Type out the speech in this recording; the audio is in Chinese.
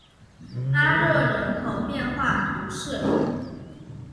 阿热人口变化图示